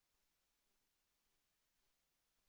โปรดติดตามต่อไป